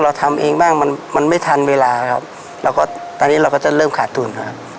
เราทำเองบ้างมันมันไม่ทันเวลาครับเราก็ตอนนี้เราก็จะเริ่มขาดทุนครับ